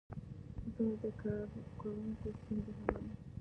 زه د کاروونکو ستونزې حلوم.